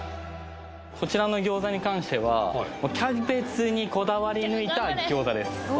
こちらの餃子に関してはもうにこだわり抜いた餃子です